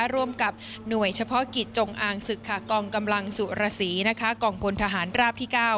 ร่วมกับหน่วยเฉพาะกิจจงอางศึกกองกำลังสุรสีกองพลทหารราบที่๙